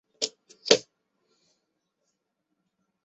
所得的份量并会详细记录下来。